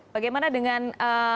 bagaimana dengan celah untuk ke mahkamah